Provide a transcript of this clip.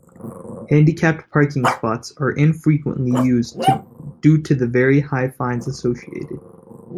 Handicapped parking spots are infrequently used due to the very high fines associated.